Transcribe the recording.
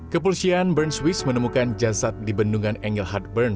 kepulsian bern swiss menemukan jasad di bendungan engelhard bern